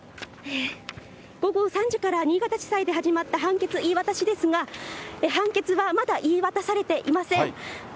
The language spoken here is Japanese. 午後３時から新潟地裁で始まった判決言い渡しですが、判決はまだ言い渡されていません。